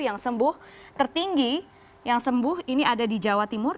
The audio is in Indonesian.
yang sembuh tertinggi yang sembuh ini ada di jawa timur